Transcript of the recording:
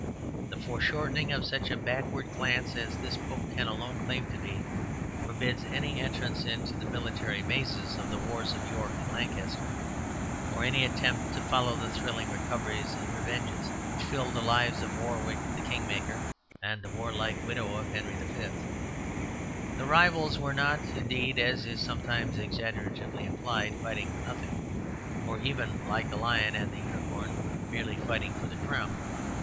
The foreshortening of such a backward glance as this book can alone claim to be, forbids any entrance into the military mazes of the wars of York and Lancaster, or any attempt to follow the thrilling recoveries and revenges which filled the lives of Warwick the Kingmaker and the warlike widow of Henry V. The rivals were not, indeed, as is sometimes exaggeratively implied, fighting for nothing, or even (like the lion and the unicorn) merely fighting for the crown.